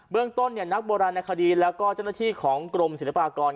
เรื่องต้นนักโบราณคดีแล้วก็เจ้าหน้าที่ของกรมศิลปากร